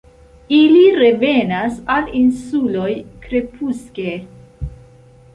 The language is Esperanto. Ili revenas al insuloj krepuske.